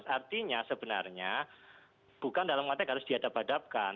artinya sebenarnya bukan dalam konteks harus diadap hadapkan